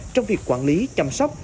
trong việc quản lý chăm sóc